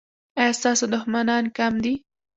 ایا ستاسو دښمنان کم دي؟